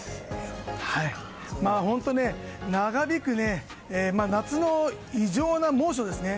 長引く夏の異常な猛暑ですね。